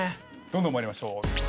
どんどん参りましょう。